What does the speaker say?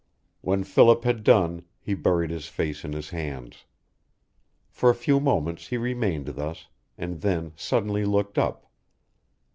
When Philip had done he buried his face in his hands. For a few moments he remained thus, and then suddenly looked up.